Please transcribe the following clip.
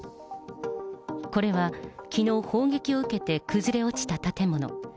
これはきのう、砲撃を受けて崩れ落ちた建物。